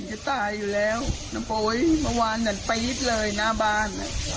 จะตายอยู่แล้วน้ำโป๊ยเมื่อวานนั้นปี๊ดเลยหน้าบ้าน